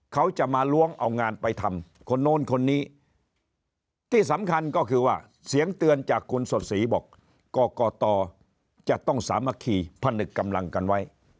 เขาจะมาล้วงเอางานไปทำคนนู้นคนนี้